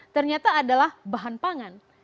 ternyata adalah bahan pangan